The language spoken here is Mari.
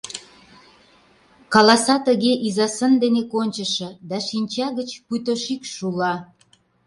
Каласа тыге иза сын дене кончышо да шинча гыч, пуйто шикш, шула.